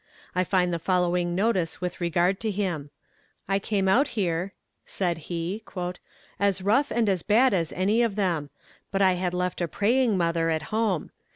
I find the following notice with regard to him: "I came out here," said he, "as rough and as bad as any of them. But I had left a praying mother at home.